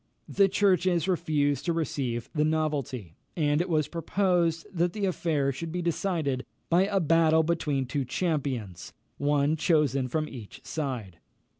The churches refused to receive the novelty, and it was proposed that the affair should be decided by a battle between two champions, one chosen from each side.